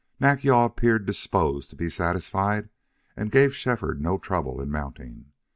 Nack yal appeared disposed to be satisfied, and gave Shefford no trouble in mounting.